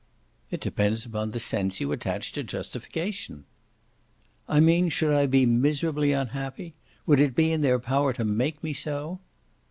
"It depends upon the sense you attach to justification." "I mean should I be miserably unhappy? Would it be in their power to make me so?"